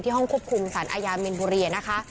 ที่ห้องควบคุมสารอาญาเมนบุรีย์นะคะ